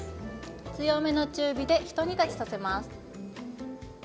強めの中火でひと煮立ちさせます。